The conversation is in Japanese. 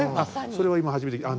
それは今初めて聞いた。